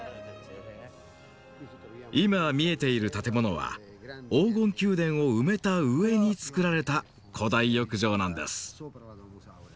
今見えている建物は黄金宮殿を埋めた上に作られた古代浴場なんです。